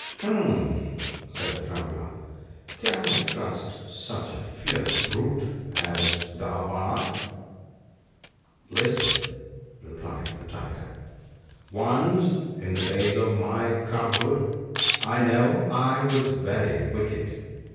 " Hem !" said the Traveller, " can I trust such a fierce brute as thou art ?"" Listen," replied the Tiger, " once, in the days of my cubhood, I know I was very wicked.